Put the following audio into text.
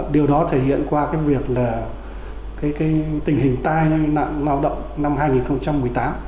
điều đó thể hiện qua cái việc là tình hình tai nạn lao động năm hai nghìn một mươi tám